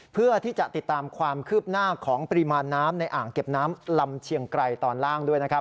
เพื่อที่จะติดตามความคืบหน้าของปริมาณน้ำในอ่างเก็บน้ำลำเชียงไกรตอนล่างด้วยนะครับ